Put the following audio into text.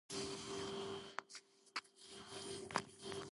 ეკლესია მცირე ზომისაა, აქვს ჯვარ-გუმბათოვანი არქიტექტურული სტილი.